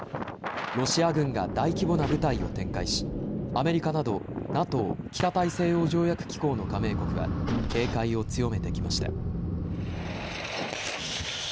ロシア軍が大規模な部隊を展開しアメリカなどＮＡＴＯ・北大西洋条約機構の加盟国は警戒を強めてきました。